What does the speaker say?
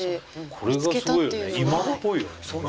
これがすごいよね